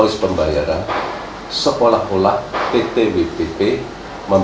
jalan jalan men